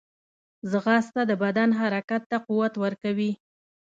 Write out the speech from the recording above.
ځغاسته د بدن حرکت ته قوت ورکوي